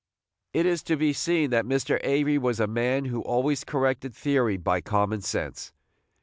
It is to be seen that Mr. Avery was a man who always corrected theory by common sense.